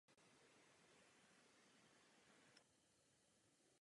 Po skončení studia byl zvolen předsedou podpůrného spolku pro tuto vysokou školu.